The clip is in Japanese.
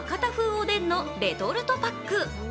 おでんのレトルトパック。